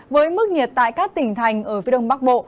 với mức nhiệt tại các tỉnh thành ở phía đông bắc bộ